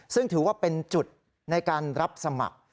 ซึ่งถือว่าเป็นจุดในการรับสมัคร